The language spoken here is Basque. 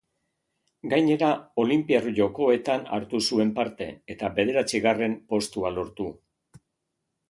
Gainera, Olinpiar Jokoetan hartu zuen parte, eta bederatzigarren postua lortu.